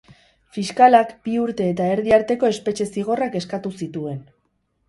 Fiskalak bi urte eta erdi arteko espetxe zigorrak eskatu zituen.